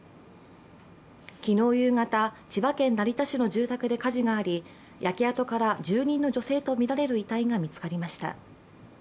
昨日夕方、千葉県成田市の住宅で火事があり、焼け跡から住人の女性とみられる遺体が見つかりました。